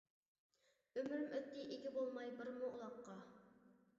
ئۆمرۈم ئۆتتى ئىگە بولماي بىرمۇ ئۇلاققا.